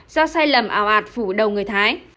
do sai lầm ảo ạt phủ đầu người thái